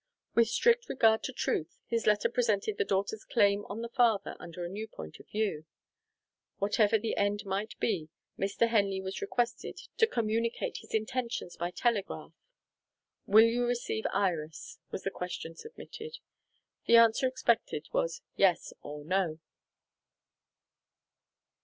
With strict regard to truth, his letter presented the daughter's claim on the father under a new point of view. Whatever the end of it might be, Mr. Henley was requested to communicate his intentions by telegraph. Will you receive Iris? was the question submitted. The answer expected was: Yes or No.